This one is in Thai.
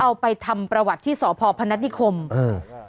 เอาไปทำประวัติที่สพพนัฐนิคมเออ